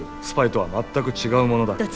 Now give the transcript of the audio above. スパイとは全く違うものだ。